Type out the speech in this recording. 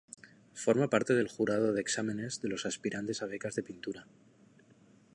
Forma parte del jurado de exámenes de los aspirantes a becas de pintura.